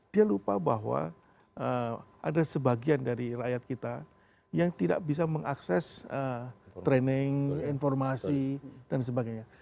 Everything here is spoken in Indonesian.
dia lupa bahwa ada sebagian dari rakyat kita yang tidak bisa mengakses training informasi dan sebagainya